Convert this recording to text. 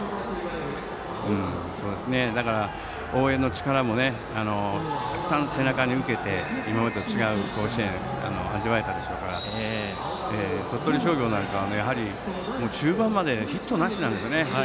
だから、応援の力もたくさん背中に受けて今までと違う甲子園を感じられたでしょうから鳥取商業は中盤までヒットなしなんですよね。